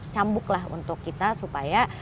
cambuk lah untuk kita supaya